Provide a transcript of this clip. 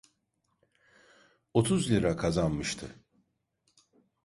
Otuz lira kazanmıştı.